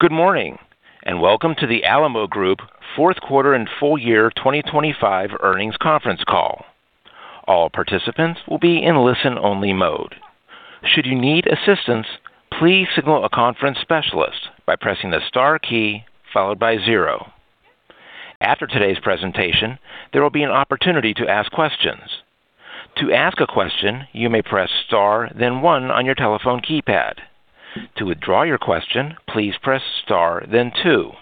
Good morning, welcome to the Alamo Group Fourth Quarter and Full-Year 2025 Earnings Conference Call. All participants will be in listen-only mode. Should you need assistance, please signal a conference specialist by pressing the star key followed by zero. After today's presentation, there will be an opportunity to ask questions. To ask a question, you may press star then one on your telephone keypad. To withdraw your question, please press star then two.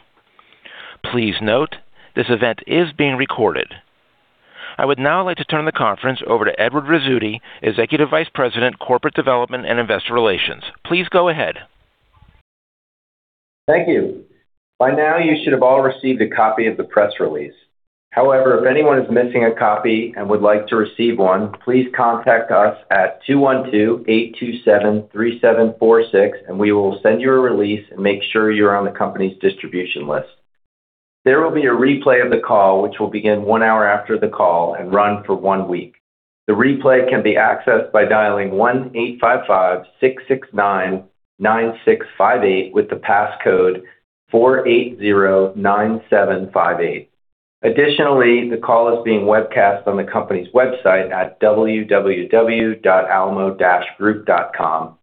Please note, this event is being recorded. I would now like to turn the conference over to Edward Rizzuti, Executive Vice President, Corporate Development and Investor Relations. Please go ahead. Thank you. By now you should have all received a copy of the press release. However, if anyone is missing a copy and would like to receive one, please contact us at 212-827-3746, and we will send you a release and make sure you're on the company's distribution list. There will be a replay of the call, which will begin one hour after the call and run for one week. The replay can be accessed by dialing 1-855-669-9658 with the passcode 4809758. Additionally, the call is being webcast on the company's website at www.alamo-group.com,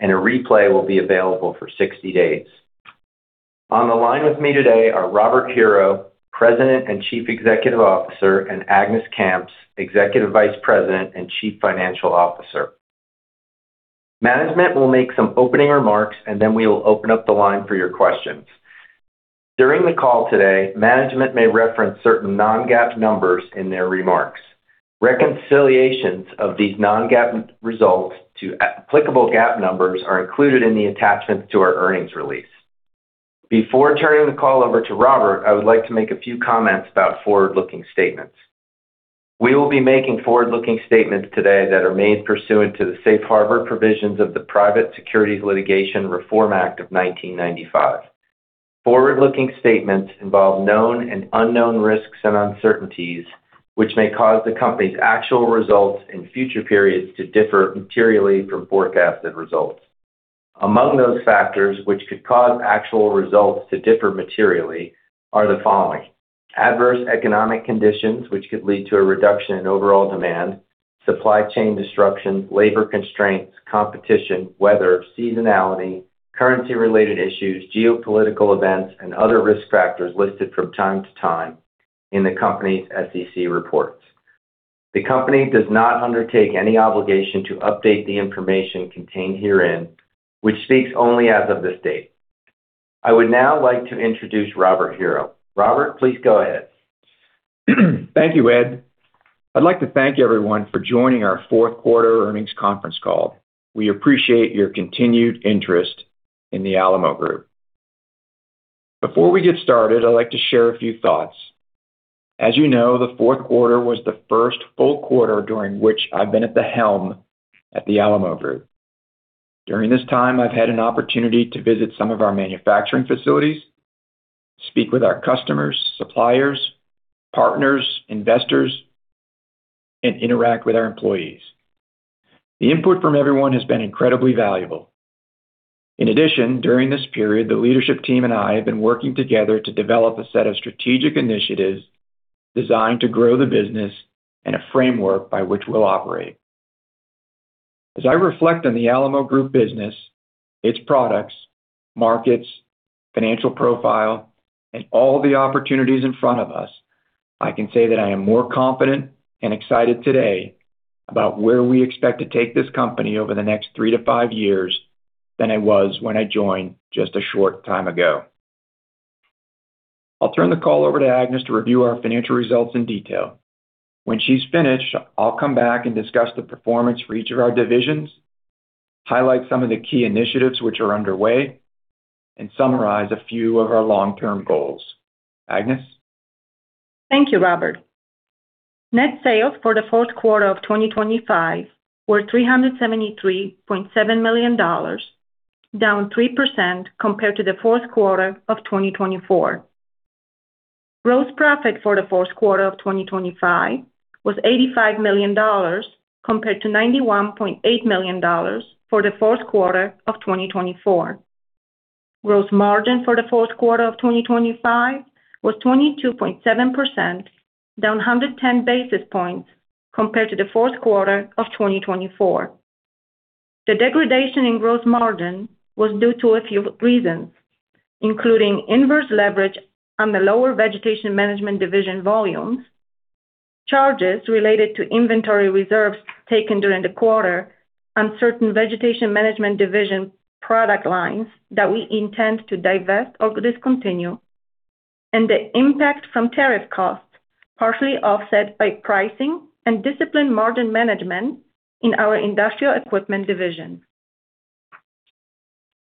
and a replay will be available for 60 days. On the line with me today are Robert Hureau, President and Chief Executive Officer, and Agnes Kamps, Executive Vice President and Chief Financial Officer. Management will make some opening remarks, and then we will open up the line for your questions. During the call today, management may reference certain non-GAAP numbers in their remarks. Reconciliations of these non-GAAP results to applicable GAAP numbers are included in the attachments to our earnings release. Before turning the call over to Robert, I would like to make a few comments about forward-looking statements. We will be making forward-looking statements today that are made pursuant to the Safe Harbor provisions of the Private Securities Litigation Reform Act of 1995. Forward-looking statements involve known and unknown risks and uncertainties, which may cause the company's actual results in future periods to differ materially from forecasted results. Among those factors which could cause actual results to differ materially are the following: adverse economic conditions which could lead to a reduction in overall demand, supply chain disruptions, labor constraints, competition, weather, seasonality, currency-related issues, geopolitical events, and other risk factors listed from time to time in the company's SEC reports. The company does not undertake any obligation to update the information contained herein, which speaks only as of this date. I would now like to introduce Robert Hureau. Robert, please go ahead. Thank you, Ed. I'd like to thank everyone for joining our fourth quarter earnings conference call. We appreciate your continued interest in the Alamo Group. Before we get started, I'd like to share a few thoughts. As you know, the fourth quarter was the first full quarter during which I've been at the helm at the Alamo Group. During this time, I've had an opportunity to visit some of our manufacturing facilities, speak with our customers, suppliers, partners, investors, and interact with our employees. The input from everyone has been incredibly valuable. In addition, during this period, the leadership team and I have been working together to develop a set of strategic initiatives designed to grow the business and a framework by which we'll operate. As I reflect on the Alamo Group business, its products, markets, financial profile, and all the opportunities in front of us, I can say that I am more confident and excited today about where we expect to take this company over the next three to five years than I was when I joined just a short time ago. I'll turn the call over to Agnes to review our financial results in detail. When she's finished, I'll come back and discuss the performance for each of our divisions, highlight some of the key initiatives which are underway, and summarize a few of our long-term goals. Agnes? Thank you, Robert. Net sales for the fourth quarter of 2025 were $373.7 million, down 3% compared to the fourth quarter of 2024. Gross profit for the fourth quarter of 2025 was $85 million compared to $91.8 million for the fourth quarter of 2024. Gross margin for the fourth quarter of 2025 was 22.7%, down 110 basis points compared to the fourth quarter of 2024. The degradation in gross margin was due to a few reasons, including inverse leverage on the lower Vegetation Management Division volumes, charges related to inventory reserves taken during the quarter on certain Vegetation Management Division product lines that we intend to divest or discontinue, and the impact from tariff costs, partially offset by pricing and disciplined margin management in our Industrial Equipment Division.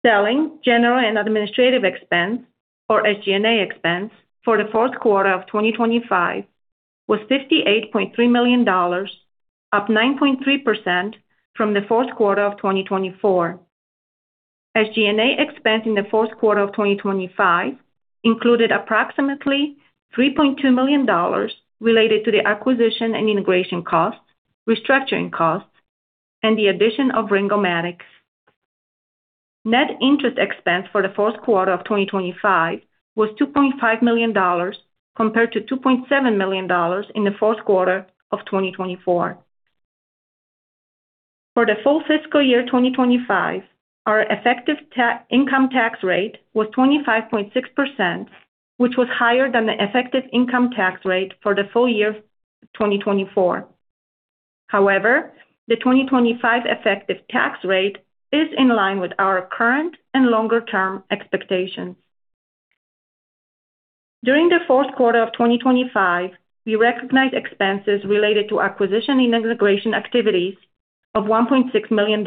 Selling, general, and administrative expense, or SG&A expense, for the fourth quarter of 2025 was $58.3 million, up 9.3% from the fourth quarter of 2024. SG&A expense in the fourth quarter of 2025 included approximately $3.2 million related to the acquisition and integration costs, restructuring costs. The addition of Ring-O-Matic. Net interest expense for the fourth quarter of 2025 was $2.5 million compared to $2.7 million in the fourth quarter of 2024. For the full fiscal year 2025, our effective income tax rate was 25.6%, which was higher than the effective income tax rate for the full year of 2024. However, the 2025 effective tax rate is in line with our current and longer-term expectations. During the fourth quarter of 2025, we recognized expenses related to acquisition and integration activities of $1.6 million.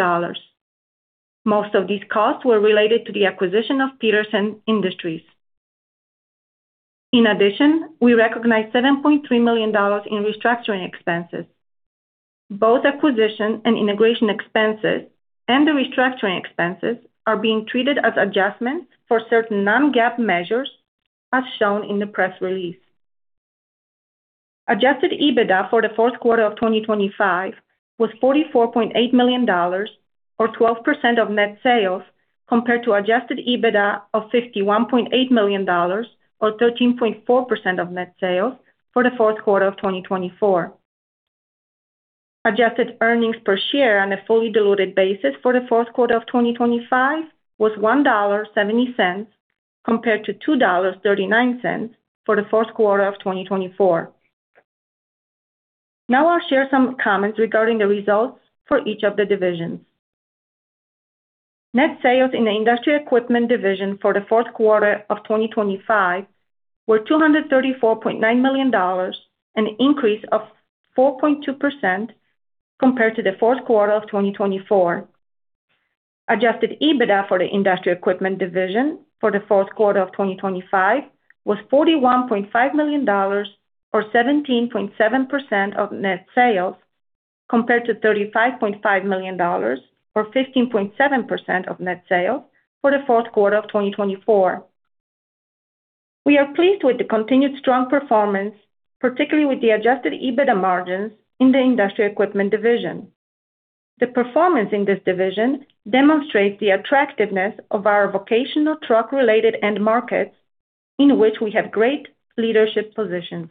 Most of these costs were related to the acquisition of Petersen Industries. In addition, we recognized $7.3 million in restructuring expenses. Both acquisition and integration expenses and the restructuring expenses are being treated as adjustments for certain non-GAAP measures as shown in the press release. Adjusted EBITDA for the fourth quarter of 2025 was $44.8 million or 12% of net sales compared to adjusted EBITDA of $51.8 million or 13.4% of net sales for the fourth quarter of 2024. Adjusted earnings per share on a fully diluted basis for the fourth quarter of 2025 was $1.70 compared to $2.39 for the fourth quarter of 2024. Now I'll share some comments regarding the results for each of the divisions. Net sales in the Industrial Equipment Division for the fourth quarter of 2025 were $234.9 million, an increase of 4.2% compared to the fourth quarter of 2024. Adjusted EBITDA for the Industrial Equipment Division for the fourth quarter of 2025 was $41.5 million or 17.7% of net sales compared to $35.5 million or 15.7% of net sales for the fourth quarter of 2024. We are pleased with the continued strong performance, particularly with the adjusted EBITDA margins in the Industrial Equipment Division. The performance in this division demonstrates the attractiveness of our vocational truck-related end markets in which we have great leadership positions.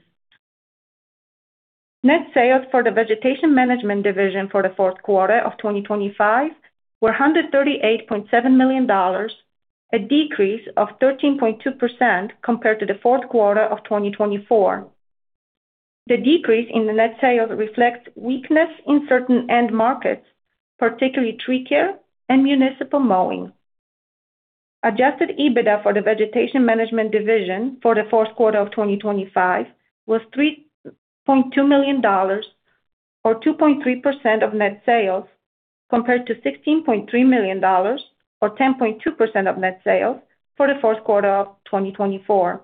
Net sales for the Vegetation Management Division for the fourth quarter of 2025 were $138.7 million, a decrease of 13.2% compared to the fourth quarter of 2024. The decrease in the net sales reflects weakness in certain end markets, particularly Tree Care and municipal mowing. Adjusted EBITDA for the Vegetation Management Division for the fourth quarter of 2025 was $3.2 million or 2.3% of net sales compared to $16.3 million or 10.2% of net sales for the fourth quarter of 2024.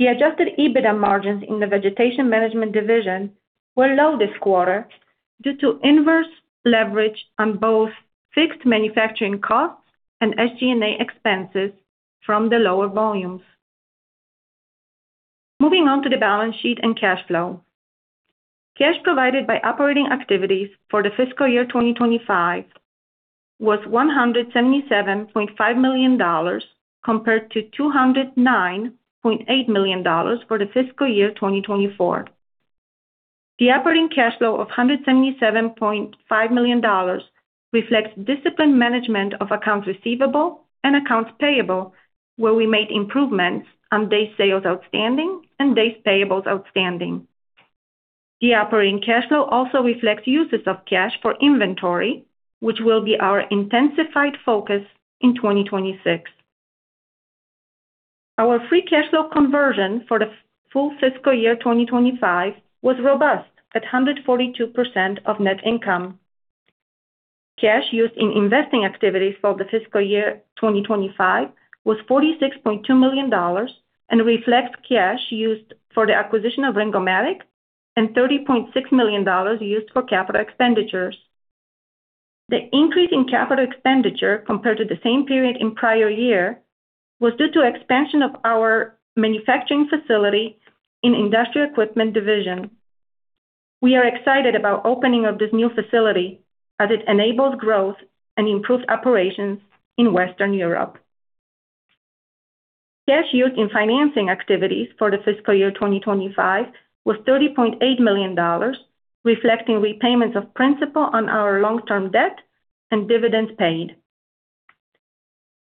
The adjusted EBITDA margins in the Vegetation Management Division were low this quarter due to inverse leverage on both fixed manufacturing costs and SG&A expenses from the lower volumes. Moving on to the balance sheet and cash flow. Cash provided by operating activities for the fiscal year 2025 was $177.5 million compared to $209.8 million for the fiscal year 2024. The operating cash flow of $177.5 million reflects disciplined management of accounts receivable and accounts payable, where we made improvements on days sales outstanding and days payables outstanding. The operating cash flow also reflects uses of cash for inventory, which will be our intensified focus in 2026. Our free cash flow conversion for the full fiscal year 2025 was robust at 142% of net income. Cash used in investing activities for the fiscal year 2025 was $46.2 million and reflects cash used for the acquisition of Ring-O-Matic and $30.6 million used for capital expenditures. The increase in capital expenditure compared to the same period in prior year was due to expansion of our manufacturing facility in Industrial Equipment Division. We are excited about opening of this new facility as it enables growth and improves operations in Western Europe. Cash used in financing activities for the fiscal year 2025 was $30.8 million, reflecting repayments of principal on our long-term debt and dividends paid.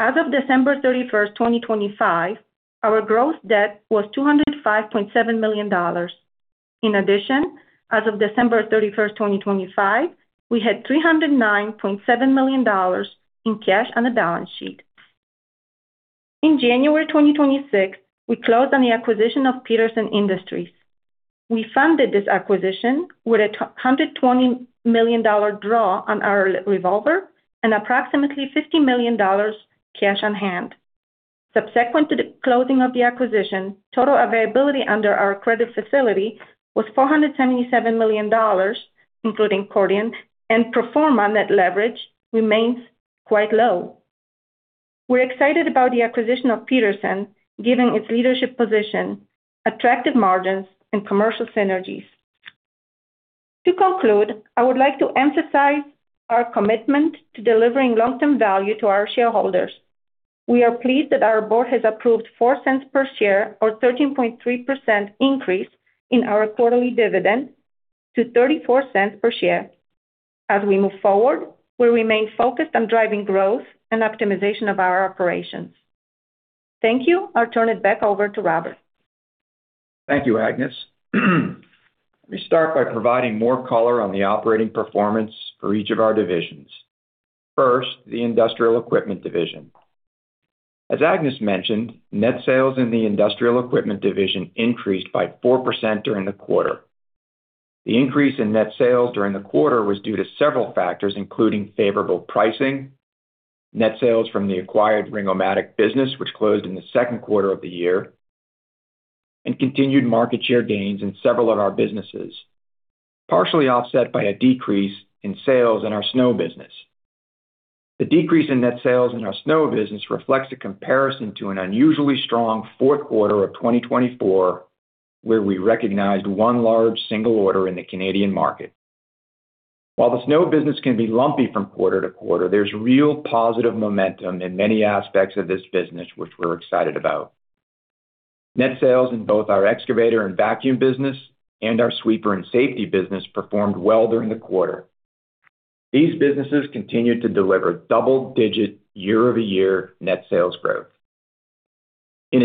As of December 3first, 2025, our gross debt was $205.7 million. As of December 3first, 2025, we had $309.7 million in cash on the balance sheet. January 2026, we closed on the acquisition of Petersen Industries. We funded this acquisition with a $120 million draw on our revolver and approximately $50 million cash on hand. Subsequent to the closing of the acquisition, total availability under our credit facility was $477 million, including accordion, and pro forma net leverage remains quite low. We're excited about the acquisition of Petersen, given its leadership position, attractive margins, and commercial synergies. To conclude, I would like to emphasize our commitment to delivering long-term value to our shareholders. We are pleased that our Board has approved $0.04 per share, or 13.3% increase in our quarterly dividend to $0.34 per share. As we move forward, we remain focused on driving growth and optimization of our operations. Thank you. I'll turn it back over to Robert. Thank you, Agnes. Let me start by providing more color on the operating performance for each of our divisions. First, the Industrial Equipment Division. As Agnes mentioned, net sales in the Industrial Equipment Division increased by 4% during the quarter. The increase in net sales during the quarter was due to several factors, including favorable pricing, net sales from the acquired Ring-O-Matic business, which closed in the second quarter of the year, and continued market share gains in several of our businesses, partially offset by a decrease in sales in our Snow business. The decrease in net sales in our Snow business reflects a comparison to an unusually strong fourth quarter of 2024, where we recognized one large single order in the Canadian market. While the Snow business can be lumpy from quarter-to-quarter, there's real positive momentum in many aspects of this business, which we're excited about. Net sales in both our Excavator and Vacuum business and our Sweeper and Safety business performed well during the quarter. These businesses continued to deliver double-digit year-over-year net sales growth. The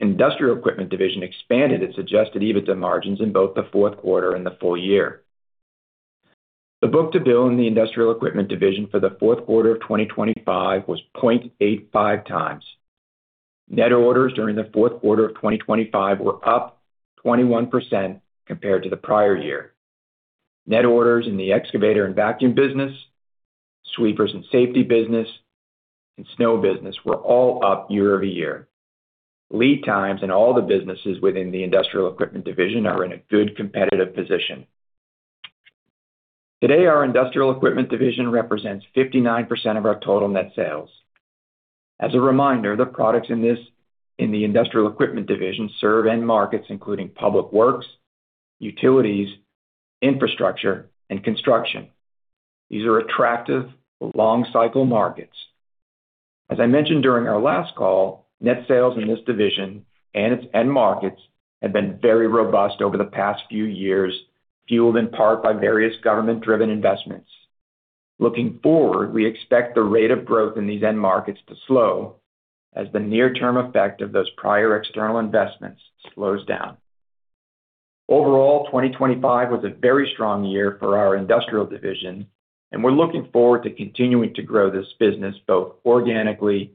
Industrial Equipment Division expanded its adjusted EBITDA margins in both the fourth quarter and the full year. The book-to-bill in the Industrial Equipment Division for the fourth quarter of 2025 was 0.85x. Net orders during the fourth quarter of 2025 were up 21% compared to the prior year. Net orders in the Excavator and Vacuum business, Sweepers and Safety business, and Snow business were all up year-over-year. Lead times in all the businesses within the Industrial Equipment Division are in a good competitive position. Today, our Industrial Equipment Division represents 59% of our total net sales. As a reminder, the products in the Industrial Equipment Division serve end markets including public works, utilities, infrastructure, and construction. These are attractive long-cycle markets. As I mentioned during our last call, net sales in this division and its end markets have been very robust over the past few years, fueled in part by various government-driven investments. Looking forward, we expect the rate of growth in these end markets to slow as the near-term effect of those prior external investments slows down. Overall, 2025 was a very strong year for our Industrial Division, and we're looking forward to continuing to grow this business both organically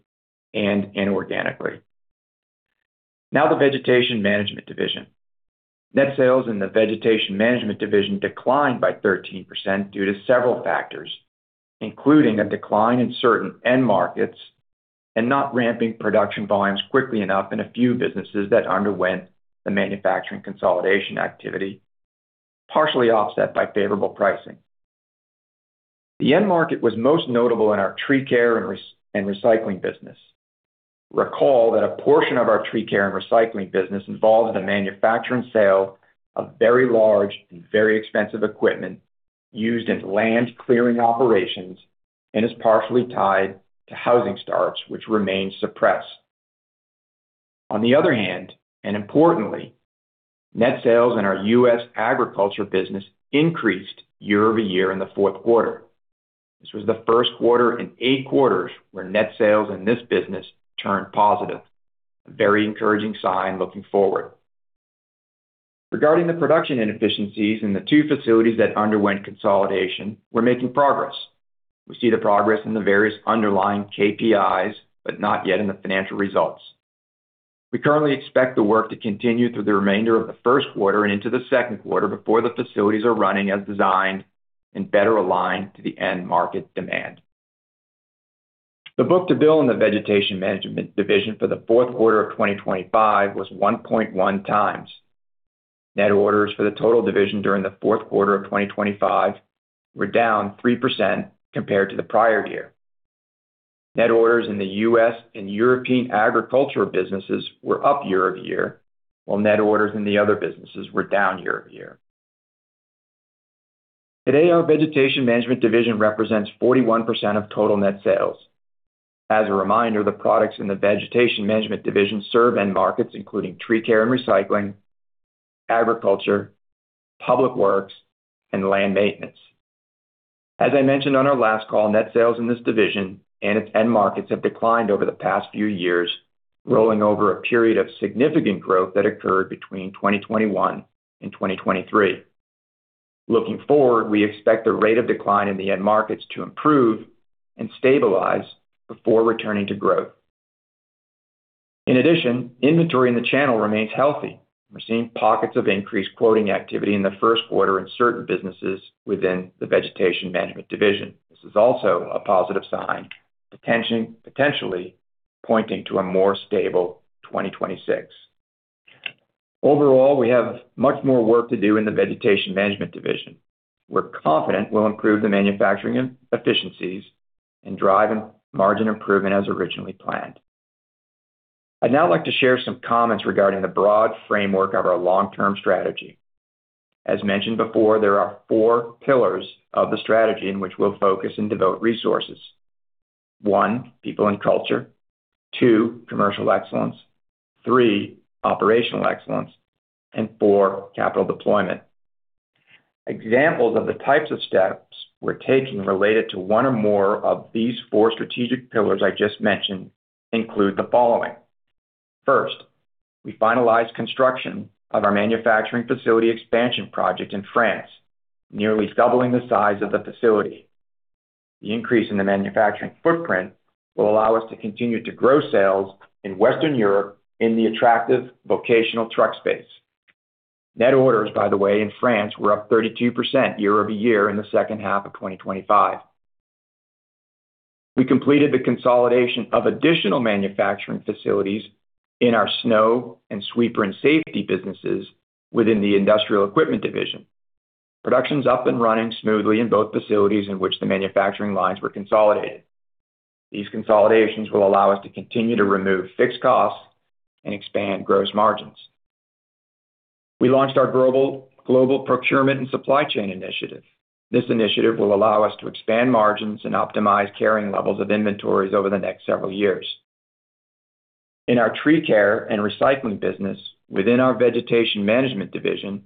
and inorganically. The Vegetation Management Division. Net sales in the Vegetation Management Division declined by 13% due to several factors, including a decline in certain end markets and not ramping production volumes quickly enough in a few businesses that underwent the manufacturing consolidation activity, partially offset by favorable pricing. The end market was most notable in our Tree Care and Recycling business. Recall that a portion of our Tree Care and Recycling business involves the manufacture and sale of very large and very expensive equipment used in land clearing operations and is partially tied to housing starts, which remain suppressed. On the other hand, and importantly, net sales in our U.S. Agriculture business increased year-over-year in the fourth quarter. This was the first quarter in eight quarters where net sales in this business turned positive, a very encouraging sign looking forward. Regarding the production inefficiencies in the two facilities that underwent consolidation, we're making progress. We see the progress in the various underlying KPIs, but not yet in the financial results. We currently expect the work to continue through the remainder of the first quarter and into the second quarter before the facilities are running as designed and better aligned to the end market demand. The book-to-bill in the Vegetation Management Division for the fourth quarter of 2025 was 1.1x. Net orders for the total division during the fourth quarter of 2025 were down 3% compared to the prior year. Net orders in the U.S. and European Agricultural businesses were up year-over-year, while net orders in the Other businesses were down year-over-year. Today, our Vegetation Management Division represents 41% of total net sales. As a reminder, the products in the Vegetation Management Division serve end markets including Tree Care and Recycling, Agriculture, Public Works, and Land Maintenance. As I mentioned on our last call, net sales in this division and its end markets have declined over the past few years, rolling over a period of significant growth that occurred between 2021 and 2023. Looking forward, we expect the rate of decline in the end markets to improve and stabilize before returning to growth. Inventory in the channel remains healthy. We're seeing pockets of increased quoting activity in the first quarter in certain businesses within the Vegetation Management Division. This is also a positive sign, potentially pointing to a more stable 2026. We have much more work to do in the Vegetation Management Division. We're confident we'll improve the manufacturing efficiencies and drive margin improvement as originally planned. I'd now like to share some comments regarding the broad framework of our long-term strategy. As mentioned before, there are four pillars of the strategy in which we'll focus and devote resources. 1. People and culture. 2. Commercial excellence. 3. Operational excellence. 4. Capital deployment. Examples of the types of steps we're taking related to one or more of these four strategic pillars I just mentioned include the following. First, we finalized construction of our manufacturing facility expansion project in France, nearly doubling the size of the facility. The increase in the manufacturing footprint will allow us to continue to grow sales in Western Europe in the attractive vocational truck space. Net orders, by the way, in France were up 32% year-over-year in the second half of 2025. We completed the consolidation of additional manufacturing facilities in our Snow and Sweeper and Safety businesses within the Industrial Equipment Division. Production's up and running smoothly in both facilities in which the manufacturing lines were consolidated. These consolidations will allow us to continue to remove fixed costs and expand gross margins. We launched our global procurement and supply chain initiative. This initiative will allow us to expand margins and optimize carrying levels of inventories over the next several years. In our Tree Care and Recycling business, within our Vegetation Management Division,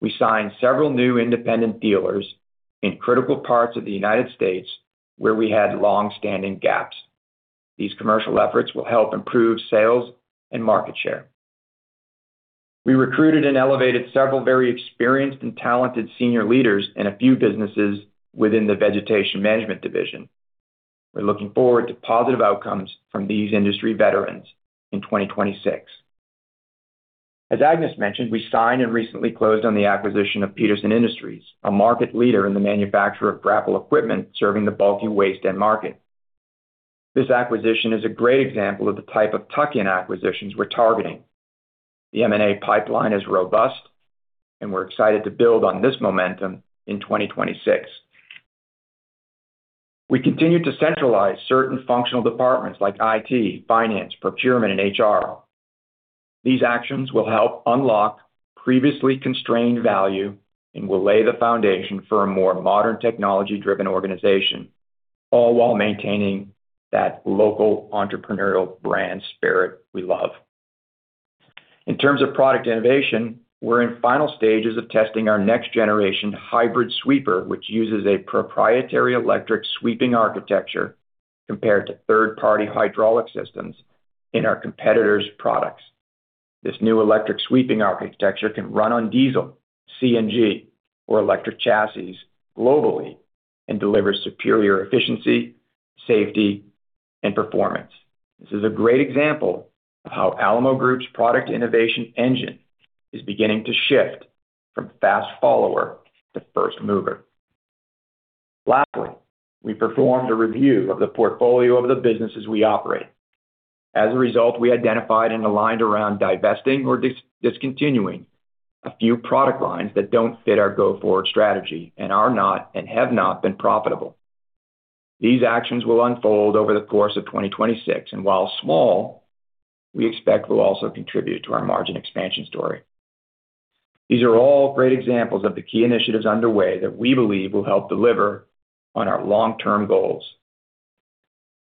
we signed several new independent dealers in critical parts of the United States where we had long-standing gaps. These commercial efforts will help improve sales and market share. We recruited and elevated several very experienced and talented senior leaders in a few businesses within the Vegetation Management Division. We're looking forward to positive outcomes from these industry veterans in 2026. As Agnes mentioned, we signed and recently closed on the acquisition of Petersen Industries, a market leader in the manufacture of grapple equipment serving the bulky waste end market. This acquisition is a great example of the type of tuck-in acquisitions we're targeting. The M&A pipeline is robust, and we're excited to build on this momentum in 2026. We continue to centralize certain functional departments like IT, Finance, Procurement, and HR. These actions will help unlock previously constrained value and will lay the foundation for a more modern technology-driven organization, all while maintaining that local entrepreneurial brand spirit we love. In terms of product innovation, we're in final stages of testing our next generation hybrid sweeper, which uses a proprietary electric sweeping architecture compared to third-party hydraulic systems in our competitors' products. This new electric sweeping architecture can run on diesel, CNG, or electric chassis globally and delivers superior efficiency, safety, and performance. This is a great example of how Alamo Group's product innovation engine is beginning to shift from fast follower to first mover. Lastly, we performed a review of the portfolio of the businesses we operate. As a result, we identified and aligned around divesting or discontinuing a few product lines that don't fit our go-forward strategy and are not, and have not been profitable. These actions will unfold over the course of 2026, and while small, we expect will also contribute to our margin expansion story. These are all great examples of the key initiatives underway that we believe will help deliver on our long-term goals.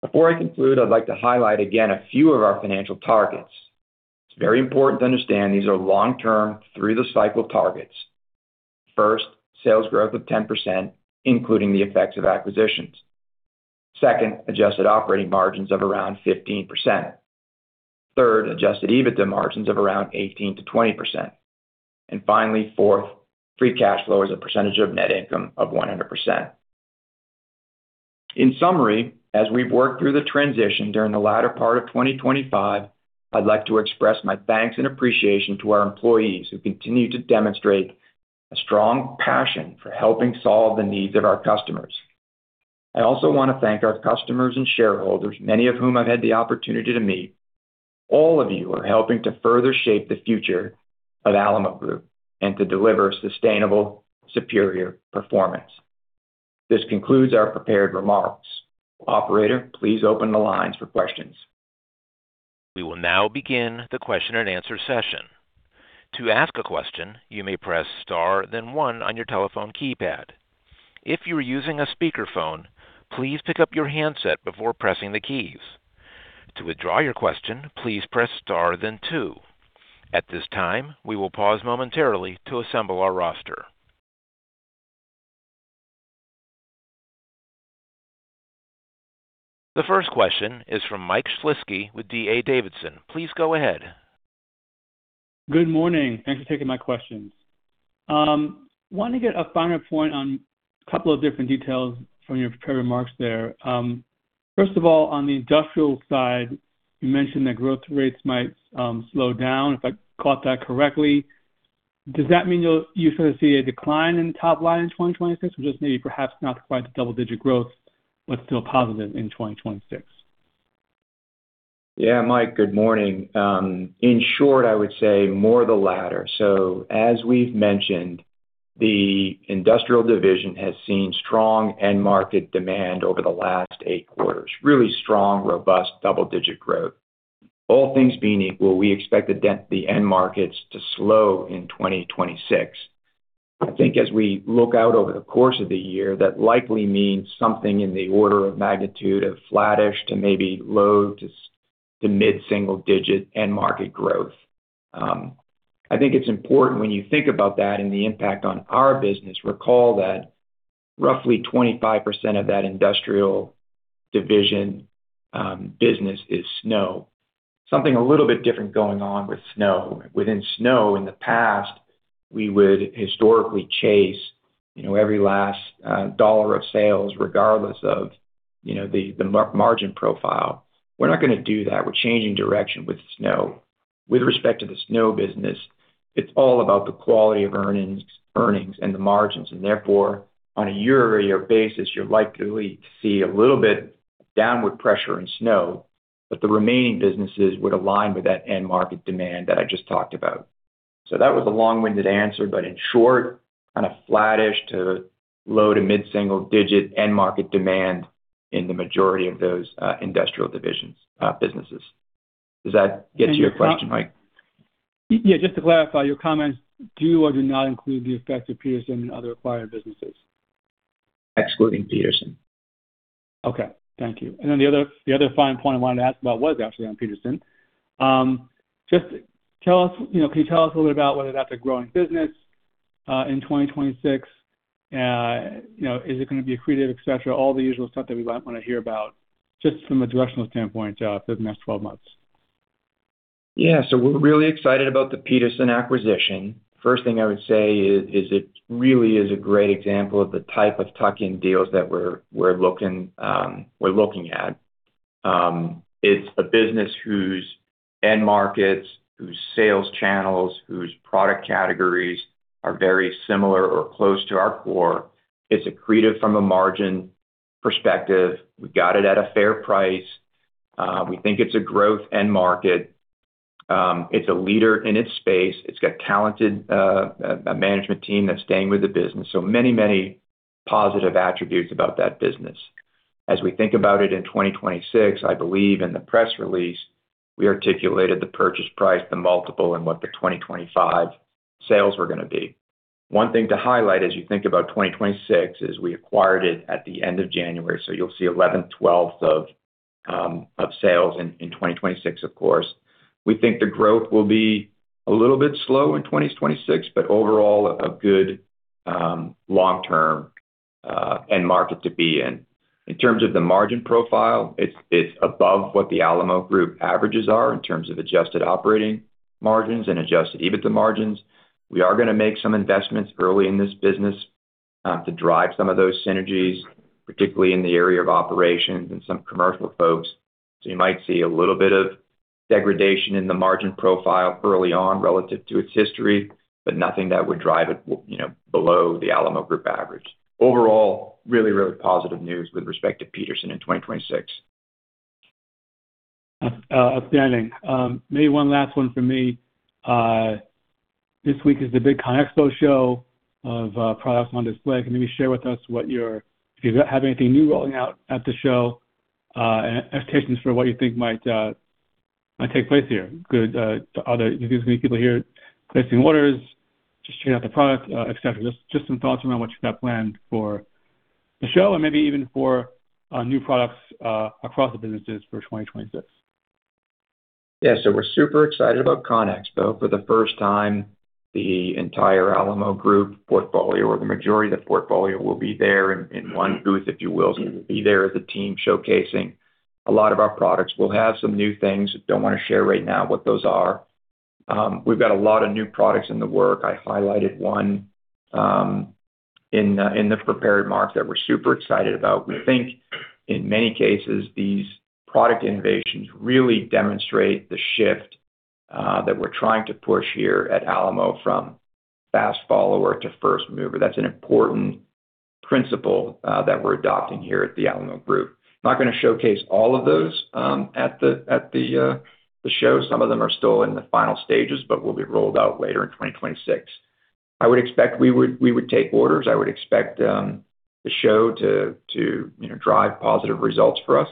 Before I conclude, I'd like to highlight again a few of our financial targets. It's very important to understand these are long-term through-the-cycle targets. First, sales growth of 10%, including the effects of acquisitions. Second, adjusted operating margins of around 15%. Third, adjusted EBITDA margins of around 18%-20%. Finally, fourth, free cash flow as a percentage of net income of 100%. In summary, as we've worked through the transition during the latter part of 2025, I'd like to express my thanks and appreciation to our employees who continue to demonstrate a strong passion for helping solve the needs of our customers. I also want to thank our customers and shareholders, many of whom I've had the opportunity to meet. All of you are helping to further shape the future of Alamo Group and to deliver sustainable, superior performance. This concludes our prepared remarks. Operator, please open the lines for questions. We will now begin the question-and-answer session. To ask a question, you may press star then one on your telephone keypad. If you are using a speakerphone, please pick up your handset before pressing the keys. To withdraw your question, please press star then two. At this time, we will pause momentarily to assemble our roster. The first question is from Mike Shlisky with D.A. Davidson. Please go ahead. Good morning. Thanks for taking my questions. wanted to get a finer point on a couple of different details from your prepared remarks there. First of all, on the Industrial side, you mentioned that growth rates might slow down, if I caught that correctly. Does that mean you'll usually see a decline in top line in 2026 or just maybe perhaps not quite the double-digit growth but still positive in 2026? Yeah, Mike, good morning. In short, I would say more the latter. As we've mentioned, the Industrial Division has seen strong end market demand over the last eight quarters. Really strong, robust double-digit growth. All things being equal, we expect the end markets to slow in 2026. I think as we look out over the course of the year, that likely means something in the order of magnitude of flattish to maybe low to mid-single digit end market growth. I think it's important when you think about that and the impact on our business, recall that roughly 25% of that Industrial Division business is Snow. Something a little bit different going on with Snow. Within Snow in the past, we would historically chase, you know, every last dollar of sales regardless of, you know, the margin profile. We're not gonna do that. We're changing direction with Snow. With respect to the Snow business, it's all about the quality of earnings and the margins, and therefore, on a year-over-year basis, you'll likely see a little bit downward pressure in Snow, but the remaining businesses would align with that end market demand that I just talked about. That was a long-winded answer, but in short, kind of flattish to low- to mid-single digit end market demand in the majority of those Industrial Divisions, businesses. Does that get to your question, Mike? Yeah. Just to clarify, your comments, do or do not include the effects of Petersen and other acquired businesses? Excluding Petersen. Okay. Thank you. Then the other fine point I wanted to ask about was actually on Petersen. Just tell us. You know, can you tell us a little bit about whether that's a growing business in 2026? You know, is it gonna be accretive, etc? All the usual stuff that we might wanna hear about, just from a directional standpoint, for the next 12 months. We're really excited about the Petersen acquisition. First thing I would say is it really is a great example of the type of tuck-in deals that we're looking, we're looking at. It's a business whose end markets, whose sales channels, whose product categories are very similar or close to our core. It's accretive from a margin perspective. We got it at a fair price. We think it's a growth end market. It's a leader in its space. It's got talented, a management team that's staying with the business. Many, many positive attributes about that business. As we think about it in 2026, I believe in the press release, we articulated the purchase price, the multiple, and what the 2025 sales were gonna be. One thing to highlight as you think about 2026 is we acquired it at the end of January, so you'll see 11/12ths of sales in 2026, of course. We think the growth will be a little bit slow in 2026, but overall a good long-term end market to be in. In terms of the margin profile, it's above what the Alamo Group averages are in terms of adjusted operating margins and adjusted EBITDA margins. We are gonna make some investments early in this business to drive some of those synergies, particularly in the area of operations and some commercial folks. You might see a little bit of degradation in the margin profile early on relative to its history, but nothing that would drive it, you know, below the Alamo Group average. Overall, really, really positive news with respect to Petersen in 2026. Outstanding. Maybe one last one from me. This week is the big CONEXPO show of products on display. Can you maybe share with us what you have anything new rolling out at the show and expectations for what you think might take place here? Good, if there's gonna be people here placing orders, just check out the products, etc. Just some thoughts around what you've got planned for the show or maybe even for new products across the businesses for 2026. We're super excited about CONEXPO. For the first time, the entire Alamo Group portfolio or the majority of the portfolio will be there in one booth, if you will. We'll be there as a team showcasing a lot of our products. We'll have some new things. Don't wanna share right now what those are. We've got a lot of new products in the work. I highlighted one in the prepared remarks that we're super excited about. We think in many cases these product innovations really demonstrate the shift that we're trying to push here at Alamo from fast follower to first mover. That's an important principle that we're adopting here at the Alamo Group. Not gonna showcase all of those at the show. Some of them are still in the final stages, but will be rolled out later in 2026. I would expect we would take orders. I would expect, you know, the show to drive positive results for us.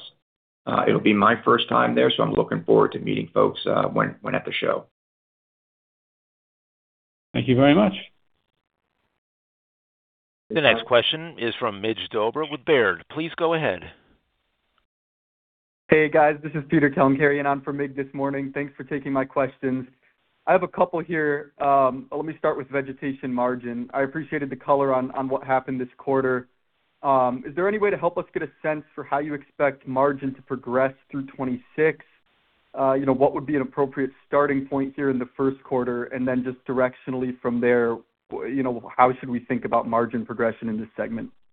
It'll be my first time there, so I'm looking forward to meeting folks when at the show. Thank you very much. The next question is from Mig Dobre with Baird. Please go ahead. Hey, guys. This is Peter Kalemkerian on for Mig this morning. Thanks for taking my questions. I have a couple here. Let me start with Vegetation margin. I appreciated the color on what happened this quarter. Is there any way to help us get a sense for how you expect margin to progress through 2026? You know, what would be an appropriate starting point here in the first quarter? Just directionally from there, you know, how should we think about margin progression in this segment? Yes.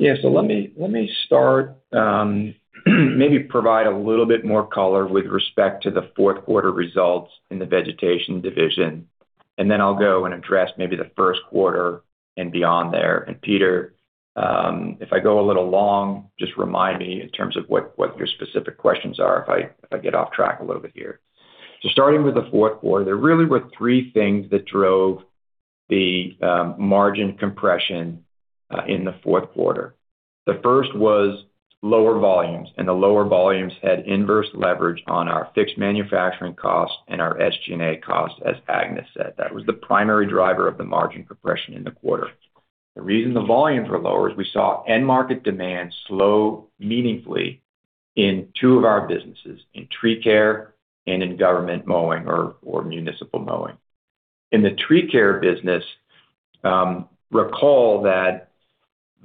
Let me, let me start, maybe provide a little bit more color with respect to the fourth quarter results in the Vegetation Division. Then I'll go and address maybe the first quarter and beyond there. Peter, if I go a little long, just remind me in terms of what your specific questions are if I, if I get off track a little bit here. Starting with the fourth quarter, there really were three things that drove the margin compression in the fourth quarter. The first was lower volumes, and the lower volumes had inverse leverage on our fixed manufacturing costs and our SG&A costs, as Agnes said. That was the primary driver of the margin compression in the quarter. The reason the volumes were lower is we saw end market demand slow meaningfully in two of our businesses, in Tree Care and in Government Mowing or Municipal Mowing. In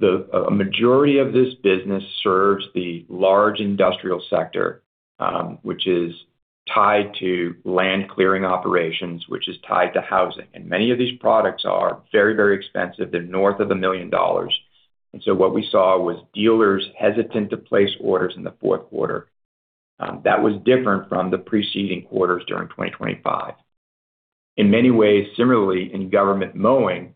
the Tree Care business, recall that a majority of this business serves the large industrial sector, which is tied to land clearing operations, which is tied to housing. Many of these products are very, very expensive. They're north of $1 million. What we saw was dealers hesitant to place orders in the fourth quarter. That was different from the preceding quarters during 2025. In many ways, similarly, in Government Mowing,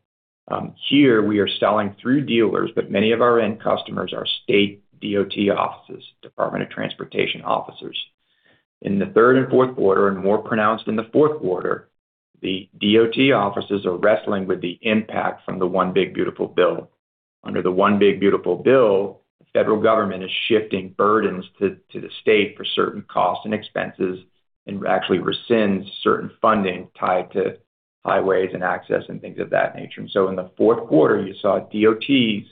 here we are selling through dealers, but many of our end customers are state DOT officers, Department of Transportation officers. In the third and fourth quarter, and more pronounced in the fourth quarter, the DOT officers are wrestling with the impact from the One Big Beautiful Bill. Under the One Big Beautiful Bill, the federal government is shifting burdens to the state for certain costs and expenses, and actually rescinds certain funding tied to highways and access and things of that nature. In the fourth quarter, you saw DOT,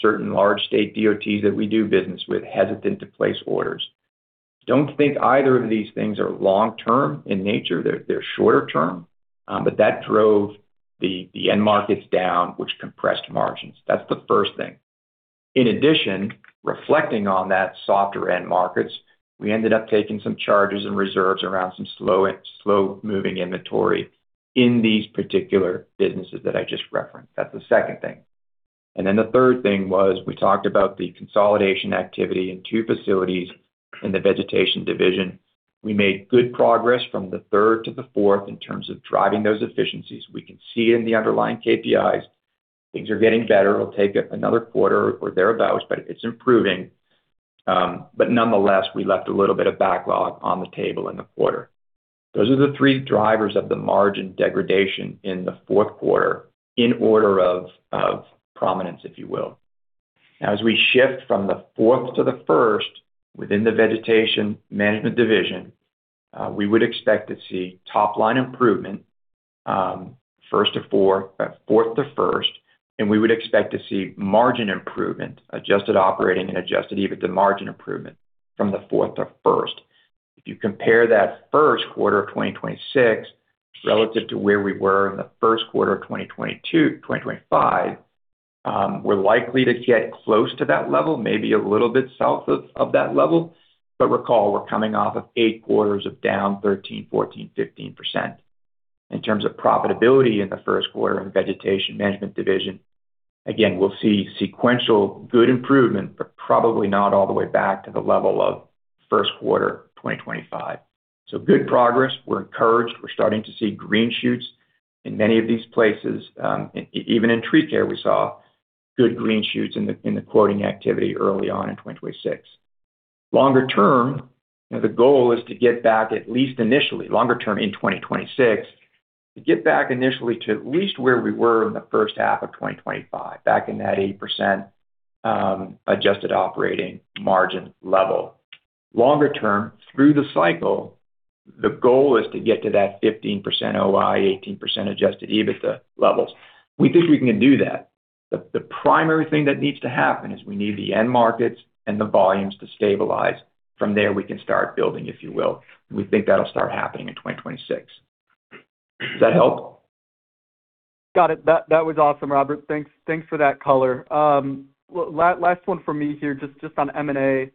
certain large state DOT that we do business with, hesitant to place orders. Don't think either of these things are long-term in nature. They're shorter term, but that drove the end markets down, which compressed margins. That's the first thing. In addition, reflecting on that softer end markets, we ended up taking some charges and reserves around some slow-moving inventory in these particular businesses that I just referenced. That's the second thing. The third thing was we talked about the consolidation activity in two facilities in the Vegetation Division. We made good progress from the third to the fourth in terms of driving those efficiencies. We can see in the underlying KPIs things are getting better. It'll take another quarter or thereabout, but it's improving. Nonetheless, we left a little bit of backlog on the table in the quarter. Those are the three drivers of the margin degradation in the fourth quarter in order of prominence, if you will. As we shift from the fourth to the first within the Vegetation Management Division, we would expect to see top line improvement, fourth to first, and we would expect to see margin improvement, adjusted operating and adjusted EBITDA margin improvement from the fourth to first. If you compare that first quarter of 2026 relative to where we were in the first quarter of 2025, we're likely to get close to that level, maybe a little bit south of that level. Recall, we're coming off of eight quarters of down 13%, 14%, 15%. In terms of profitability in the first quarter in the Vegetation Management Division, again, we'll see sequential good improvement, but probably not all the way back to the level of first quarter 2025. Good progress. We're encouraged. We're starting to see green shoots in many of these places. Even in Tree Care, we saw good green shoots in the quoting activity early on in 2026. Longer term, the goal is to get back, at least initially, longer term in 2026, to get back initially to at least where we were in the first half of 2025, back in that 8% adjusted operating margin level. Longer term, through the cycle, the goal is to get to that 15% OI, 18% adjusted EBITDA levels. We think we can do that. The primary thing that needs to happen is we need the end markets and the volumes to stabilize. From there, we can start building, if you will. We think that'll start happening in 2026. Does that help? Got it. That was awesome, Robert. Thanks for that color. last one for me here, just on M&A.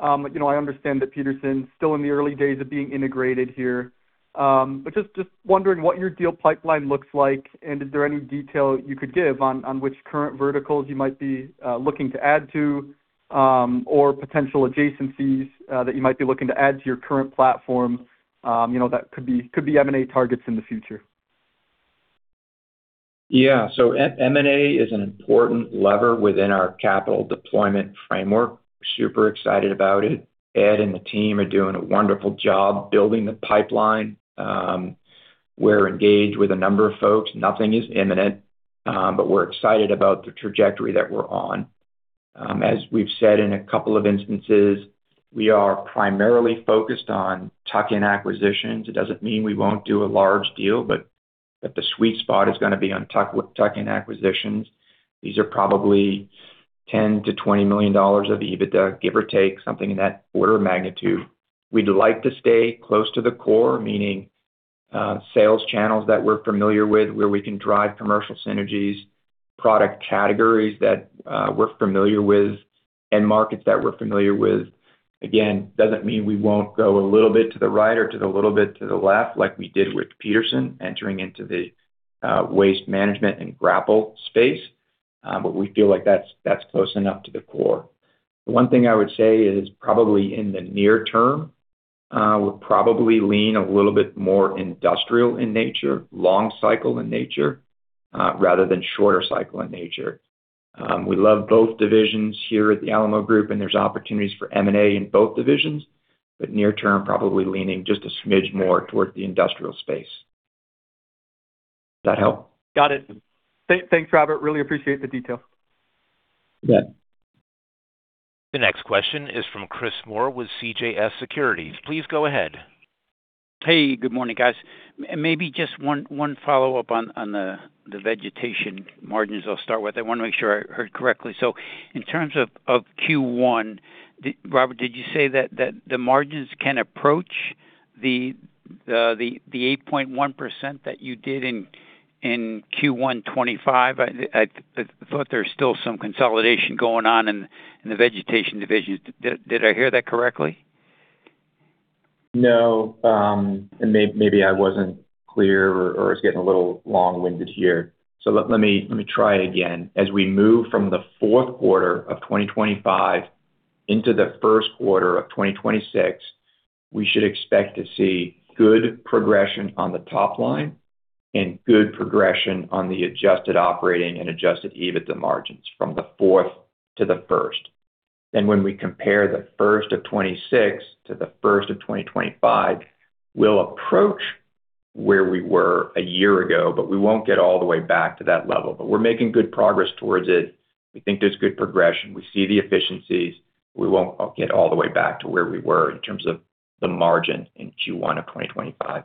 you know, I understand that Petersen's still in the early days of being integrated here. but just wondering what your deal pipeline looks like, and is there any detail you could give on which current verticals you might be looking to add to, or potential adjacencies, that you might be looking to add to your current platform, you know, that could be M&A targets in the future? M&A is an important lever within our capital deployment framework. Super excited about it. Ed and the team are doing a wonderful job building the pipeline. We're engaged with a number of folks. Nothing is imminent, we're excited about the trajectory that we're on. As we've said in a couple of instances, we are primarily focused on tuck-in acquisitions. It doesn't mean we won't do a large deal, but the sweet spot is gonna be on tuck-in acquisitions. These are probably $10 million-$20 million of EBITDA, give or take, something in that order of magnitude. We'd like to stay close to the core, meaning, sales channels that we're familiar with, where we can drive commercial synergies, product categories that we're familiar with, end markets that we're familiar with. Again, doesn't mean we won't go a little bit to the right or to the little bit to the left like we did with Petersen entering into the waste management and grapple space. We feel like that's close enough to the core. One thing I would say is probably in the near term, we'll probably lean a little bit more Industrial in nature, long cycle in nature, rather than shorter cycle in nature. We love both divisions here at the Alamo Group, and there's opportunities for M&A in both divisions, but near term, probably leaning just a smidge more towards the Industrial space. Does that help? Got it. Thanks, Robert. Really appreciate the detail. You bet. The next question is from Chris Moore with CJS Securities. Please go ahead. Hey, good morning, guys. Maybe just one follow-up on the Vegetation margins I'll start with. I want to make sure I heard correctly. In terms of Q1, Robert, did you say that the margins can approach the 8.1% that you did in Q1 2025? I thought there's still some consolidation going on in the Vegetation Division. Did I hear that correctly? No. maybe I wasn't clear or I was getting a little long-winded here. let me try it again. As we move from the fourth quarter of 2025 into the first quarter of 2026, we should expect to see good progression on the top line and good progression on the adjusted operating and adjusted EBITDA margins from the fourth to the first. When we compare the first of 2026 to the first of 2025, we'll approach where we were a year ago, we won't get all the way back to that level. We're making good progress towards it. We think there's good progression. We see the efficiencies. We won't get all the way back to where we were in terms of the margin in Q1 of 2025.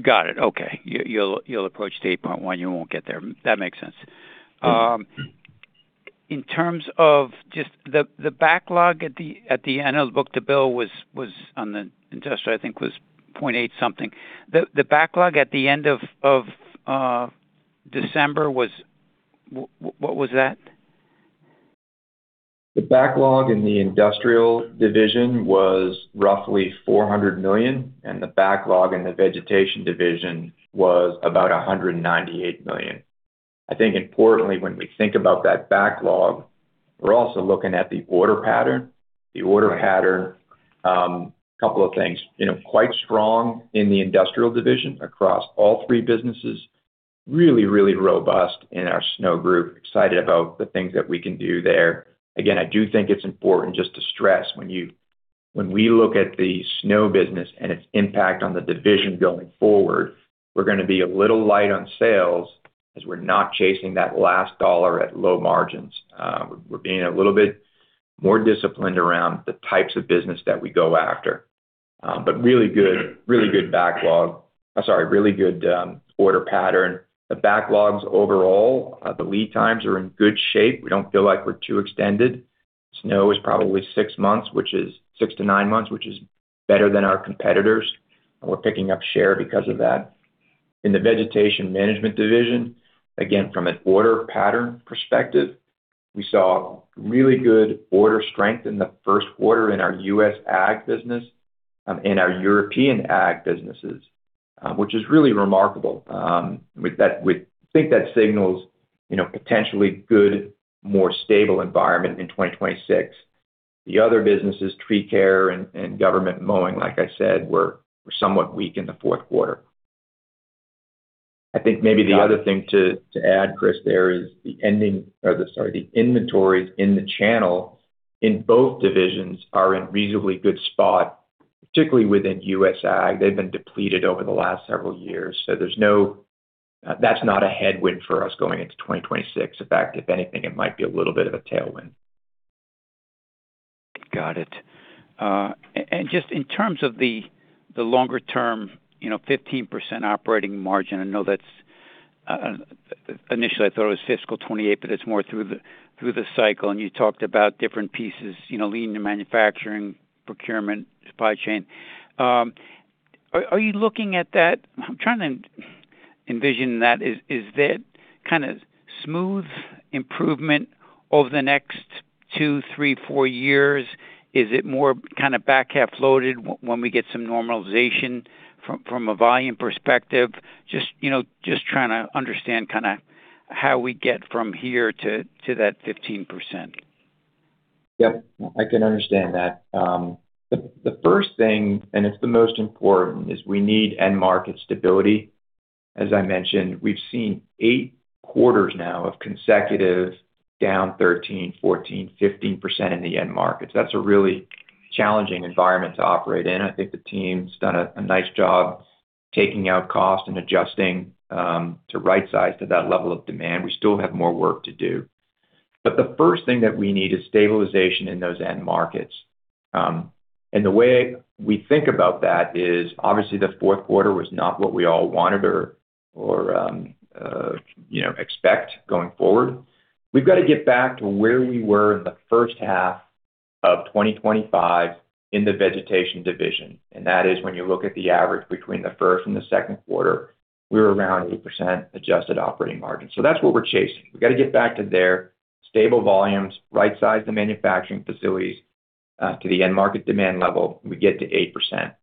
Got it. Okay. You'll approach the 8.1, you won't get there, that makes sense. In terms of just the backlog at the end of the book-to-bill was on the Industrial, I think, was 0.8 something. The backlog at the end of December was? What was that? The backlog in the Industrial Division was roughly $400 million, and the backlog in the Vegetation Division was about $198 million. I think importantly, when we think about that backlog, we're also looking at the order pattern. The order pattern, you know, couple of things, quite strong in the Industrial Division across all three businesses. Really robust in our Snow group. Excited about the things that we can do there. Again, I do think it's important just to stress when we look at the Snow business and its impact on the division going forward, we're going to be a little light on sales as we're not chasing that last dollar at low margins. We're being a little bit more disciplined around the types of business that we go after. Really good backlog. I'm sorry, really good order pattern. The backlogs overall, the lead times are in good shape. We don't feel like we're too extended. Snow is probably six months, which is six to nine months, which is better than our competitors. We're picking up share because of that. In the Vegetation Management Division, again, from an order pattern perspective, we saw really good order strength in the first quarter in our U.S. Ag business, in our European Ag businesses, which is really remarkable. With that, we think that signals, you know, potentially good, more stable environment in 2026. The other businesses, Tree Care and Government Mowing, like I said, were somewhat weak in the fourth quarter. I think maybe the other thing to add, Chris, there is the ending or the, sorry, the inventories in the channel in both divisions are in reasonably good spot, particularly within U.S. Ag. They've been depleted over the last several years, so there's no that's not a headwind for us going into 2026. In fact, if anything, it might be a little bit of a tailwind. Got it. Just in terms of the longer term, you know, 15% operating margin, I know that's, initially I thought it was fiscal 2028, but it's more through the, through the cycle. You talked about different pieces, you know, lean to manufacturing, procurement, supply chain. Are you looking at that? I'm trying to envision that. Is that kind of smooth improvement over the next two, three, four years? Is it more kind of back half loaded when we get some normalization from a volume perspective? Just, you know, just trying to understand kind of how we get from here to that 15%? Yep, I can understand that. The first thing, it's the most important, is we need end market stability. As I mentioned, we've seen eight quarters now of consecutive down 13%, 14%, 15% in the end markets. That's a really challenging environment to operate in. I think the team's done a nice job taking out cost and adjusting to right size to that level of demand. We still have more work to do. The first thing that we need is stabilization in those end markets. The way we think about that is obviously the fourth quarter was not what we all wanted or, you know, expect going forward. We've got to get back to where we were in the first half of 2025 in the Vegetation Division, and that is when you look at the average between the first and the second quarter, we were around 8% adjusted operating margin. That's what we're chasing. We've got to get back to their stable volumes, right-size the manufacturing facilities to the end market demand level, we get to 8%.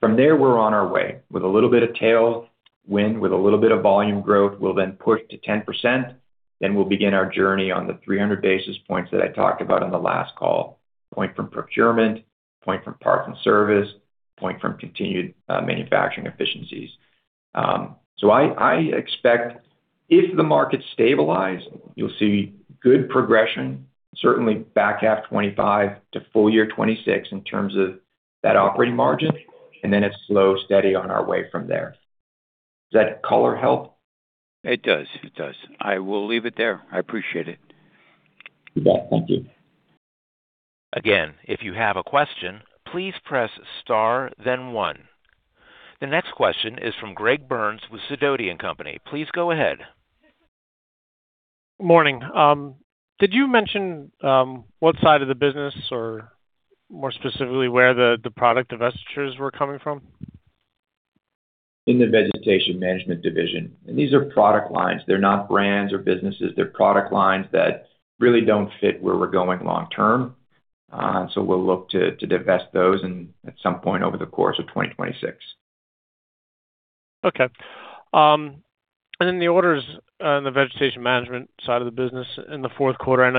From there, we're on our way. With a little bit of tailwind, with a little bit of volume growth, we'll then push to 10%, then we'll begin our journey on the 300 basis points that I talked about on the last call. Point from procurement, point from parts and service, point from continued manufacturing efficiencies. I expect if the markets stabilize, you'll see good progression, certainly back half 2025 to full year 2026 in terms of that operating margin, and then it's slow, steady on our way from there. Does that color help? It does. I will leave it there. I appreciate it. You bet. Thank you. Again, if you have a question, please press star then one. The next question is from Greg Burns with Sidoti & Company. Please go ahead. Morning. Did you mention, what side of the business or more specifically where the product divestitures were coming from? In the Vegetation Management Division. These are product lines. They're not brands or businesses. They're product lines that really don't fit where we're going long term. We'll look to divest those and at some point over the course of 2026. Okay. The orders on the Vegetation Management side of the business in the fourth quarter, I know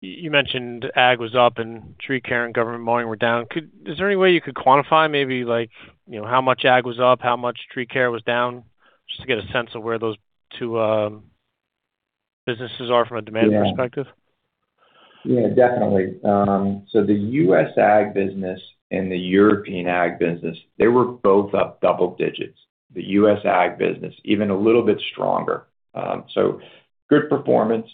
you mentioned Ag was up and Tree Care and Government Mowing were down. Is there any way you could quantify maybe like, you know, how much Ag was up, how much Tree Care was down, just to get a sense of where those two businesses are from a demand perspective? Yeah. Yeah, definitely. The U.S. Ag business and the European Ag business, they were both up double digits. The U.S. Ag business, even a little bit stronger. Good performance.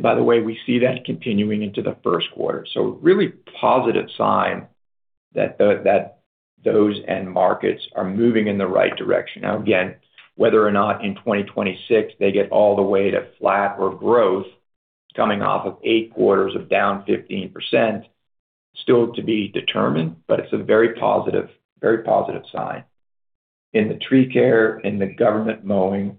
By the way, we see that continuing into the first quarter. Really positive sign that the, that those end markets are moving in the right direction. Again, whether or not in 2026 they get all the way to flat or growth, it's coming off of eight quarters of down 15%. Still to be determined, but it's a very positive, very positive sign. The Tree Care and the Government Mowing,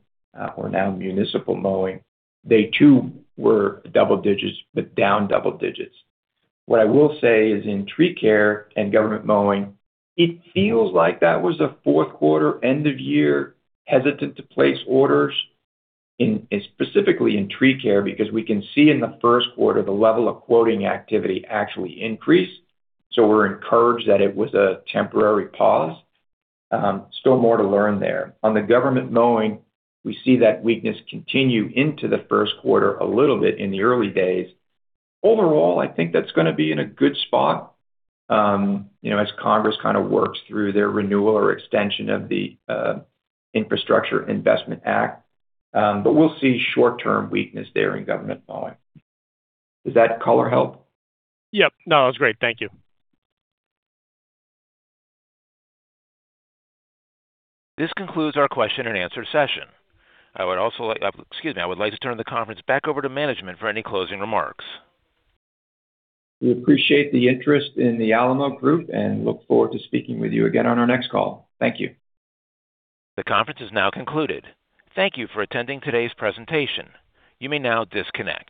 or now Municipal Mowing, they too were double digits, but down double digits. What I will say is in Tree Care and Government Mowing, it feels like that was a fourth quarter end of year hesitant to place orders in, specifically in Tree Care, because we can see in the first quarter the level of quoting activity actually increased. We're encouraged that it was a temporary pause. Still more to learn there. On the Government Mowing, we see that weakness continue into the first quarter a little bit in the early days. Overall, I think that's gonna be in a good spot, you know, as Congress kinda works through their renewal or extension of the Infrastructure Investment Act. We'll see short-term weakness there in Government Mowing. Does that color help? Yep. No, that was great. Thank you. This concludes our question-and-answer session. Excuse me. I would like to turn the conference back over to management for any closing remarks. We appreciate the interest in the Alamo Group and look forward to speaking with you again on our next call. Thank you. The conference is now concluded. Thank you for attending today's presentation. You may now disconnect.